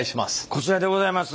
こちらでございます。